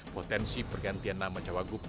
potensi pergantian nama cawagup